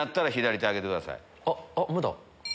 あっ無だ！